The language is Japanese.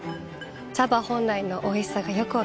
茶葉本来のおいしさがよく分かります。